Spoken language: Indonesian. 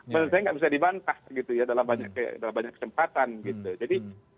menurut saya nggak bisa dibantah gitu ya dalam banyak kesempatan gitu